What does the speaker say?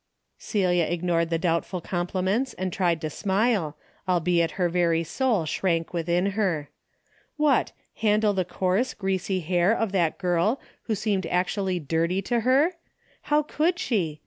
Celia ignored the doubtful compliments and tried to smile, albeit her very soul shrank within her. What, handle the coarse greasy hair of that girl who seemed actually dirty to hey ? How could she